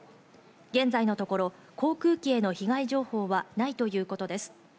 現在のところ、航空機への被害情報はないということです。